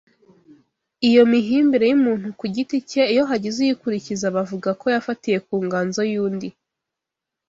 Iyo mihimbire y’umuntu ku giti ke iyo hagize uyikurikiza bavuga ko yafatiye ku nganzoyundi